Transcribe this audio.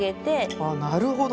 あっなるほど。